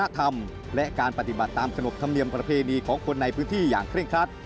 ธรรมและการปฏิบัติตามขนบธรรมเนียมประเพณีของคนในพื้นที่อย่างเคร่งครัด